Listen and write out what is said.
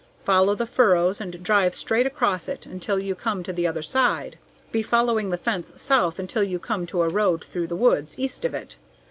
Follow the furrows and drive straight across it until you come to the other side. Be following the fence south until you come to a road through the woods east of it.